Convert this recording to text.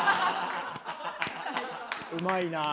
うまいなあ。